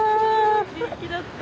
元気だった？